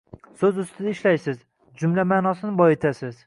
so‘z ustida ishlaysiz, jumla ma’nosini boyitasiz.